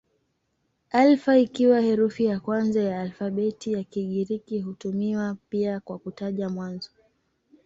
Alfa ikiwa herufi ya kwanza ya alfabeti ya Kigiriki hutumiwa pia kwa kutaja mwanzo.